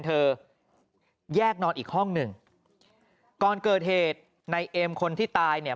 แยกนอนอีกห้องหนึ่งก่อนเกิดเหตุในเอ็มคนที่ตายเนี่ย